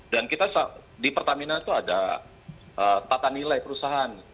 dan kita di pertamina itu ada tata nilai perusahaan